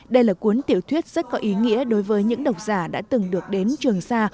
đây là cuốn tiểu thuyết rất có ý nghĩa đối với những độc giả đã từng được đến trường sa